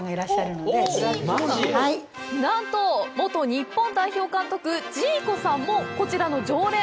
なんと元日本代表監督ジーコさんもここの常連！